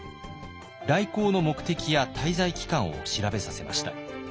来航の目的や滞在期間を調べさせました。